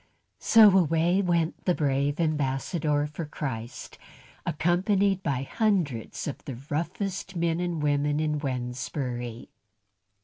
So away went the brave ambassador for Christ, accompanied by hundreds of the roughest men and women in Wednesbury.